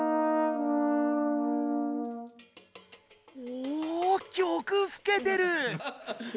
おぉ曲ふけてる！